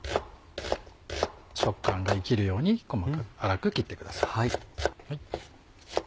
食感が生きるように粗く切ってください。